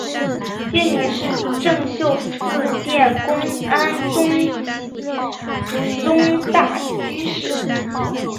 戒名是政秀寺殿功庵宗忠大居士。